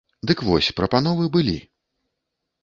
Дык вось, прапановы былі.